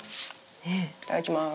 いただきます